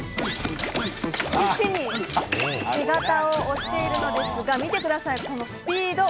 色紙に手形を押しているのですが見てください、このスピード！